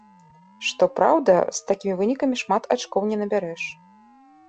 Што праўда, з такімі вынікамі шмат ачкоў не набярэш.